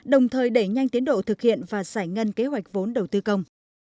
đồng thời đẩy nhanh tiến độ thực hiện và giải ngân kế hoạch vốn đầu tư công